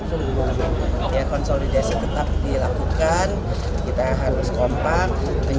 konsolidasi tetap dilakukan kita harus kompak menjaga pemilu yang akan datang itu berjalan dengan baik aman tentram dan jembiran